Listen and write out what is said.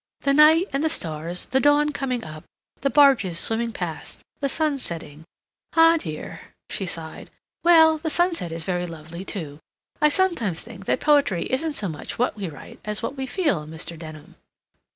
"The night and the stars, the dawn coming up, the barges swimming past, the sun setting.... Ah dear," she sighed, "well, the sunset is very lovely too. I sometimes think that poetry isn't so much what we write as what we feel, Mr. Denham."